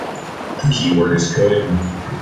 The key word is 'could'.